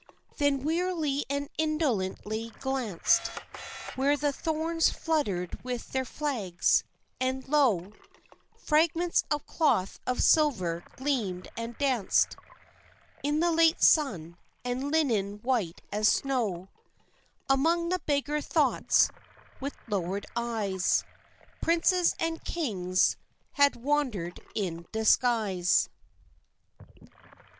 Then wearily and indolently glanced Where the thorns fluttered with their flags, and, lo, Fragments of cloth of silver gleamed and danced In the late sun, and linen white as snow Among the beggar thoughts, with lowered eyes, Princes and kings had wandered in disguise.